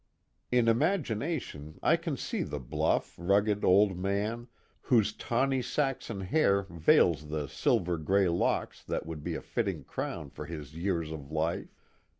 In imagination I can see the bluff, rugged old man, whose tawny Saxon hair veils the silver gray locks that would be a fitting crown for his years of life.